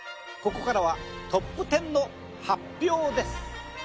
ここからはトップ１０の発表です。